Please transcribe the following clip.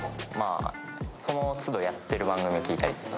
その都度やってる番組を聴いたり。